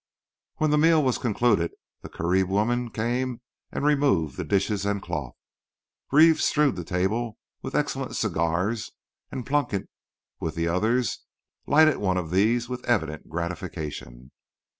When the meal was concluded the Carib woman came and removed the dishes and cloth. Reeves strewed the table with excellent cigars, and Plunkett, with the others, lighted one of these with evident gratification.